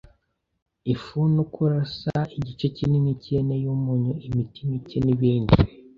ifu no kurasa, igice kinini cyihene yumunyu, imiti mike, nibindi